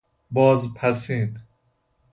باز پسین